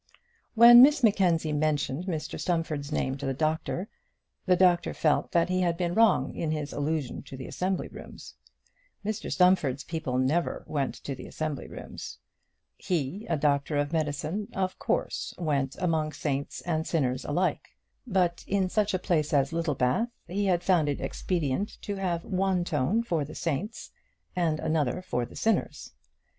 When Miss Mackenzie mentioned Mr Stumfold's name to the doctor, the doctor felt that he had been wrong in his allusion to the assembly rooms. Mr Stumfold's people never went to assembly rooms. He, a doctor of medicine, of course went among saints and sinners alike, but in such a place as Littlebath he had found it expedient to have one tone for the saints and another for the sinners.